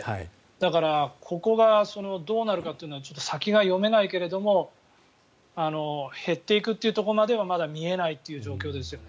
だからここがどうなるかっていうのは先が読めないけれども減っていくというところまではまだ見えないということですよね。